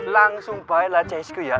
langsung payalah csq ya